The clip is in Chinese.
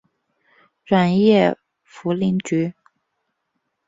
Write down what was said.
软叶茯苓菊